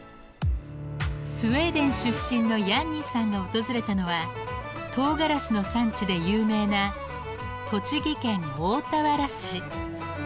スウェーデン出身のヤンニさんが訪れたのはとうがらしの産地で有名な栃木県大田原市。